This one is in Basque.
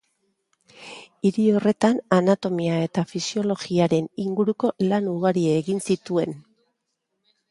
Hiri horretan anatomia eta fisiologiaren inguruko lan ugari egin zituen.